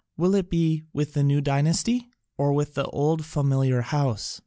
Will it be with the new dynasty, or with the old familiar house?